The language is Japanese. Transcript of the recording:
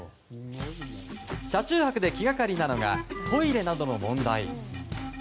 車中泊で気がかりなのがトイレなどの問題。